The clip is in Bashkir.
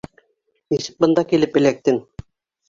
Нисек бында килеп эләктең?